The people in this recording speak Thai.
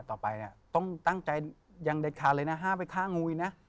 ต่อไปเนี่ยต้องตั้งใจอย่างเด็ดขาดเลยนะห้ามไปฆ่างูอีกนะ